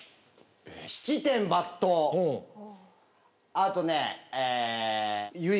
あとね。